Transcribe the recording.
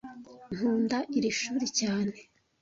Nkunda iri shuri cyane